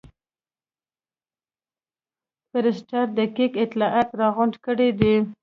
فورسټر دقیق اطلاعات راغونډ کړي دي.